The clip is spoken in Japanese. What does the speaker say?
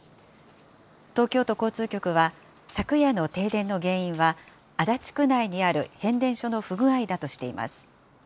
東京都交通局は、昨夜の停電の原因は足立区内にある変電所の不具合だとしています。